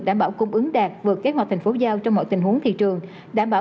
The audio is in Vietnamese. đảm bảo cung ứng đạt vượt kế hoạch thành phố giao trong mọi tình huống thị trường đảm bảo